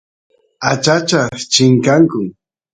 achachas chinkanku